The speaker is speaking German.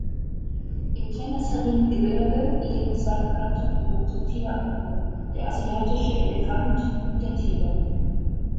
Im Tenasserim-Gebirge leben zwei bekannte, bedrohte Tierarten: Der Asiatische Elefant und der Tiger.